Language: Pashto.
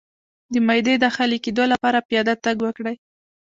د معدې د خالي کیدو لپاره پیاده تګ وکړئ